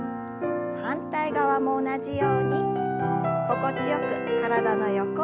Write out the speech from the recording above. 反対側も同じように心地よく体の横を伸ばします。